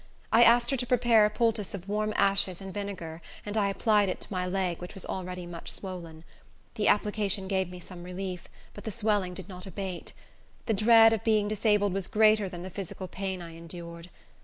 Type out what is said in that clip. I asked her to prepare a poultice of warm ashes and vinegar, and I applied it to my leg, which was already much swollen. The application gave me some relief, but the swelling did not abate. The dread of being disabled was greater than the physical pain I endured.